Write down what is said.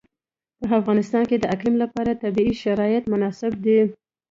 په افغانستان کې د اقلیم لپاره طبیعي شرایط مناسب دي.